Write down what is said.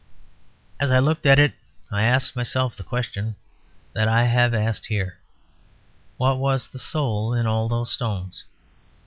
As I looked at it I asked myself the questions that I have asked here; what was the soul in all those stones?